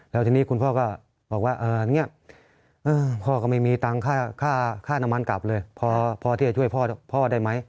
แล้วทีนี้คุณพ่อก็บอกว่าพ่อก็ไม่มีตังค์ค่าน้ำมันกลับเลยพอที่จะช่วยพ่อได้ไหม